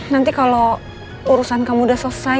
nanti kalau urusan kamu sudah selesai